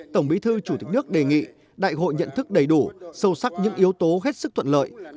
tổng bí thư chủ tịch nước đề nghị đại hội nhận thức đầy đủ sâu sắc những yếu tố hết sức thuận lợi